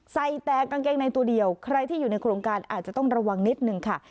ใส่แต่กางเกงในตัวเดียวใครที่อยู่ในโครงการอาจจะต้องระวังนิดนึงค่ะ